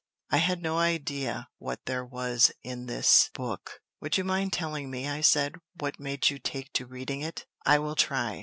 I had no idea what there was in this book." "Would you mind telling me," I said, "what made you take to reading it?" "I will try.